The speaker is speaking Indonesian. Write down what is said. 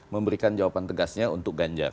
memberikan jawaban tegasnya untuk ganjar